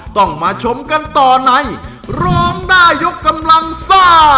ต้องมาชมกันต่อในร้องได้ยกกำลังซ่า